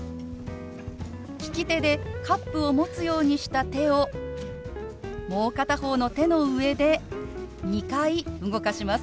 利き手でカップを持つようにした手をもう片方の手の上で２回動かします。